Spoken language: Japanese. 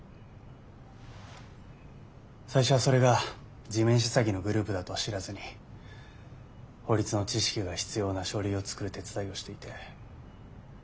最初はそれが地面師詐欺のグループだとは知らずに法律の知識が必要な書類を作る手伝いをしていて。